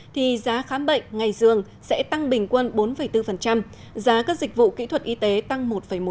thì giá khám bệnh ngày dường sẽ tăng bình quân bốn bốn giá các dịch vụ kỹ thuật y tế tăng một một